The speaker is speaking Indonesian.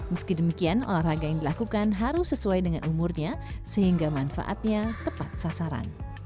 meski demikian olahraga yang dilakukan harus sesuai dengan umurnya sehingga manfaatnya tepat sasaran